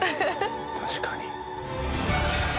確かに。